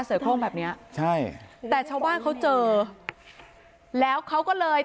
เสือโครงแบบเนี้ยใช่แต่ชาวบ้านเขาเจอแล้วเขาก็เลย